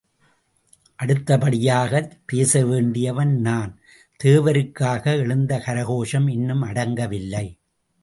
.. அடுத்தபடியாகப் பேசவேண்டியவன் நான் தேவருக்காக எழுந்தகரகோஷம் இன்னும் அடங்கவில்லை.